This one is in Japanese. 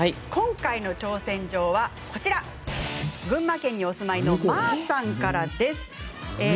今回の挑戦状は群馬県にお住まいのまーさんからです。